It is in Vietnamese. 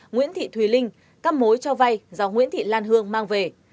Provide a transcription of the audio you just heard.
nguyễn thị thùy linh các mối cho vay do nguyễn thị lan hương mang về